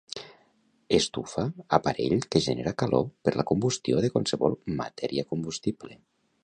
Estufa aparell que genera calor per la combustió de qualsevol matèria combustible